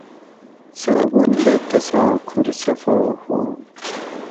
صابن دہ تساں کُھور صفا ہواں